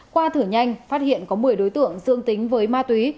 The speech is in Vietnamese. qua thử nhanh phát hiện có một mươi đối tượng dương tính với ma túy